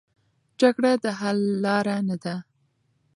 جګړه د حل لاره نه ده.